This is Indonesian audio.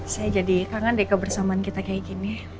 saya jadi kangen deh kebersamaan kita kayak gini